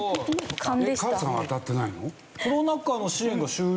カズさんは当たってないの？